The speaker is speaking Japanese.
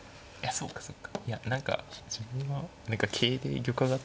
そうかそうか。